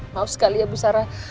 mau sekali ya bu sarah